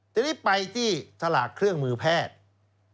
ทีนี้ไปที่สลากเครื่องมือแพทย์